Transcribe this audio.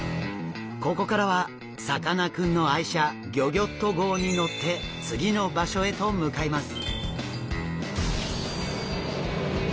ここからはさかなクンの愛車ギョギョッと号に乗って次の場所へと向かいます。